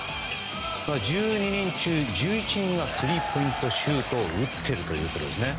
１２人中１１人がスリーポイントシュートを打っているということですね。